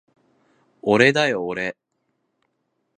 おれだよおれ